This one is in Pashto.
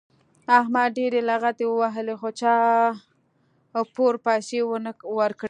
احمد ډېرې لغتې ووهلې خو چا پور پیسې ور نه کړلې.